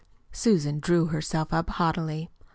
Susan drew herself up haughtily.